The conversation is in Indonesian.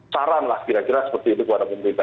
saran lah kira kira seperti itu